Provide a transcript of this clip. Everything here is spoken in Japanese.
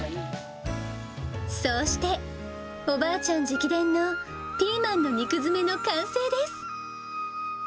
そうして、おばあちゃん直伝のピーマンの肉詰めの完成です。